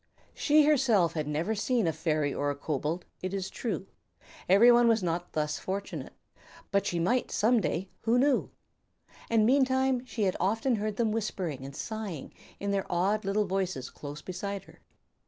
She, herself, had never seen a fairy or a kobold, it is true; everybody was not thus fortunate, but she might some day, who knew? And meantime she had often heard them whispering and sighing in their odd little voices close beside her.